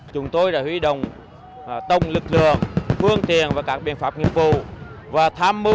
chúng tôi đã huy động tông lực lượng phương tiện và các biện pháp nghiệp vụ